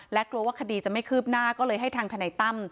และกลัวว่าคดีจะไม่คืบหน้าก็เลยให้ทางทนายตั้ม